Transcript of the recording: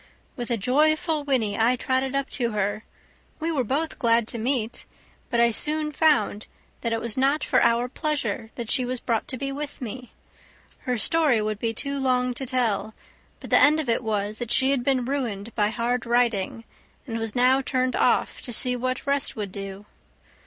With a joyful whinny I trotted up to her; we were both glad to meet, but I soon found that it was not for our pleasure that she was brought to be with me. Her story would be too long to tell, but the end of it was that she had been ruined by hard riding, and was now turned off to see what rest would do.